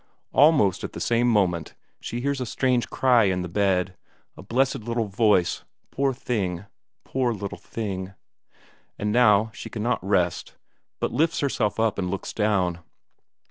Almost at the same moment she hears a strange cry in the bed, a blessed little voice; poor thing, poor little thing ... and now she cannot rest, but lifts herself up and looks down.